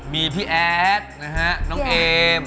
มีพี่แอดนะฮะน้องเอม